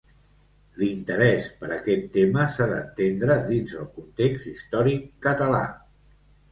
L'interès per aquest tema s'ha d'entendre dins el context històric català.